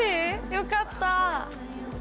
よかった。